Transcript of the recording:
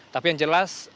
tapi yang jelas